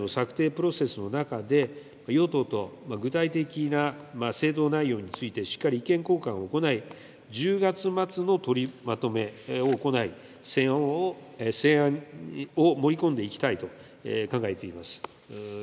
プロセスの中で、与党と具体的な制度内容についてしっかり意見交換を行い、１０月末の取りまとめを行い、成案を盛り込んでいきたいと考えています。